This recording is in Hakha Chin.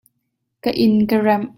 Ka inn ka remh.